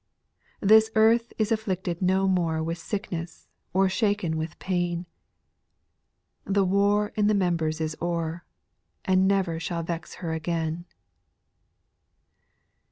This earth is affected no more With sickness, or shaken with pain : The war in the members is o'er, And never shall vex her again.